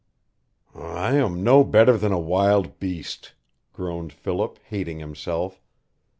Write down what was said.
"I am no better than a wild beast," groaned Philip, hating himself.